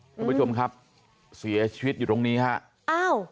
ท่านผู้ชมครับเสียชีวิตอยู่ตรงนี้ครับ